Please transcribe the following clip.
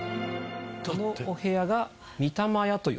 このお部屋が御霊屋というお部屋。